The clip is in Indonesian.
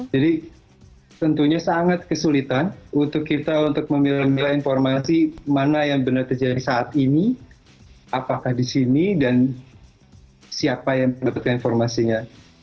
jadi tentunya sangat kesulitan untuk kita untuk memilih milih informasi mana yang benar terjadi saat ini apakah di sini dan siapa yang mendapatkan informasinya